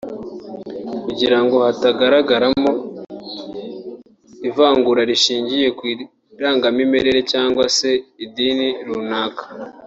kugira ngo hatagaragaramo ivangura rishingiye ku irangamimerere cyangwa se idini runaka